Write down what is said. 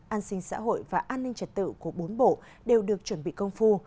an sinh xã hội và an ninh trật tự của bốn bộ đều được chuẩn bị công phu